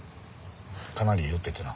かなり酔っててな。